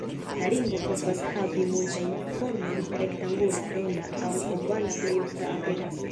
La ringo povas havi multajn formojn, rektangula, ronda aŭ ovala plej ofte aperas.